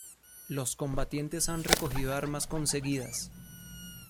Los combatientes han recogido armas conseguidas".